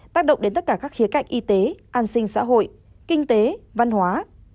tác động đến tất cả các khía cạnh y tế an sinh xã hội kinh tế văn hóa